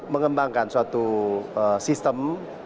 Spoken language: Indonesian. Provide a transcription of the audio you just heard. mengelakkan suatu sistem